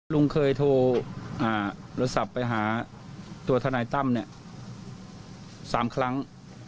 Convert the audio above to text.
ลุงเคยโทรอ่าโรยสัตว์ไปหาตัวธนัยตั้มเนี่ยสามครั้ง